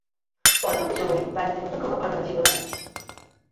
পরবর্তী সময়ে বাণিজ্য নতুন কোনো ঘটনা ছিল না।